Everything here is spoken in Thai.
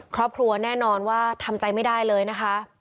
ครอบครัวแน่นอนว่าทำใจไม่ได้เลยนะคะ